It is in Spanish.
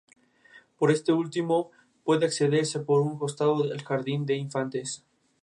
Por este último, puede accederse por un costado al jardín de infantes.